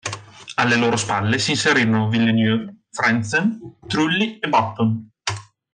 Alle loro spalle si inserirono Villeneuve, Frentzen, Trulli e Button.